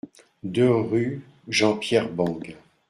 deux rue Jean-Pierre Bangue